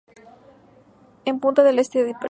En Punta del Este, Dpto.